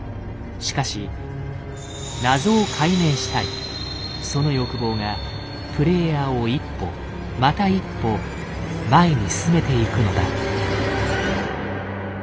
しかしその欲望がプレイヤーを一歩また一歩前に進めていくのだ。